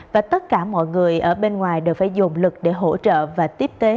và tất cả mọi người ở bên ngoài đều phải dồn lực để hỗ trợ và tiếp tế